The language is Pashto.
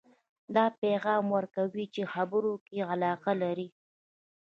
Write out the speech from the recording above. دا پیغام ورکوئ چې خبرو کې یې علاقه لرئ